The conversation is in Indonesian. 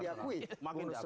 berarti semakin diakui